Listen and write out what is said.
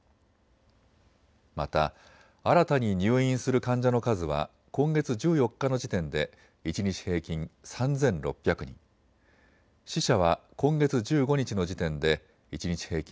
また新たに入院する患者の数は今月１４日の時点で一日平均３６００人、死者は今月１５日の時点で一日平均